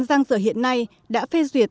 giang dở hiện nay đã phê duyệt